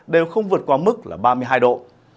đều không vượt qua mức là ba mươi hai độ